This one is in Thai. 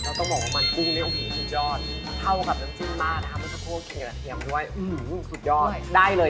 นอกเราก็ต้องบอกว่ามันกุ้งเป็นให้ภูมิทุกฐานสุดยอด